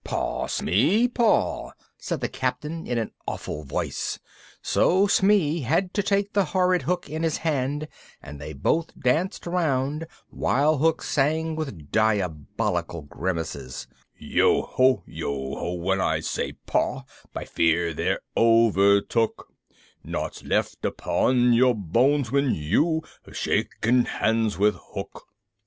[Illustration: "THE CROCODILE! THE CROCODILE!"] "Paw, Smee, paw," said the Captain in an awful voice, so Smee had to take the horrid hook in his hand, and they both danced round while Hook sang with diabolical grimaces: "Yo ho, yo ho, when I say 'Paw' By fear they're overtook; Naught's left upon your bones when you Have shaken hands with Hook."